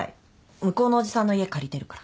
向こうのおじさんの家借りてるから。